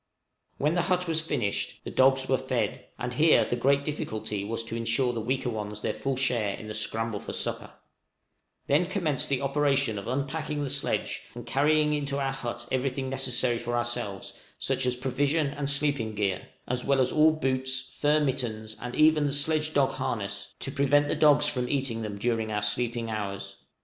When the hut was finished, the dogs were fed, and here the great difficulty was to insure the weaker ones their full share in the scramble for supper; then commenced the operation of unpacking the sledge, and carrying into our hut everything necessary for ourselves, such as provision and sleeping gear, as well as all boots, fur mittens, and even the sledge dog harness, to prevent the dogs from eating them during our sleeping hours.